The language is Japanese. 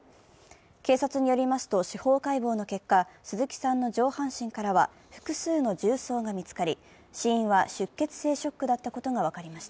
警察によりますと司法解剖の結果鈴木さんの上半身からは複数の銃創が見つかり、死因は出血性ショックだったことが分かりました。